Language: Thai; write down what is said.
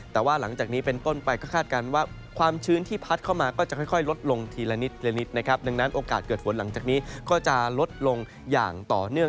แต่ว่าหลังจากนี้เป็นต้นไปก็คาดการณ์ว่าความชื้นที่พัดเข้ามาก็จะค่อยลดลงทีละนิดละนิดนะครับดังนั้นโอกาสเกิดฝนหลังจากนี้ก็จะลดลงอย่างต่อเนื่อง